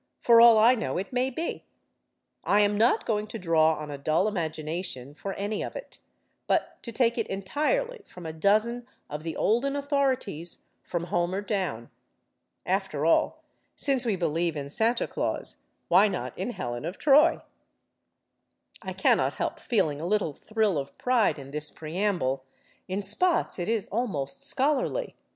For all I know, it may be. I am not going to draw on a dull imagination for any of it, but to take it entirely from a dozen of the olden authorities, from Homer down. After all, since we believe in Santa Claus, why not in Helen of Troy? (I cannot help feeling a little thrill of pride in this preamble. In spots, it is almost scholarly.